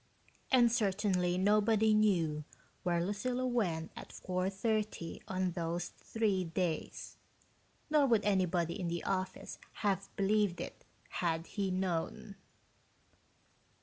And certainly nobody knew where Lucilla went at 4:30 on those three days nor would anybody in the office have believed it, had he known.